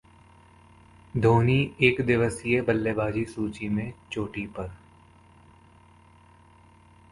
धोनी एकदिवसीय बल्लेबाजी सूची में चोटी पर